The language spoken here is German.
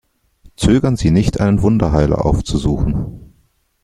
Zögern Sie nicht, einen Wunderheiler aufzusuchen!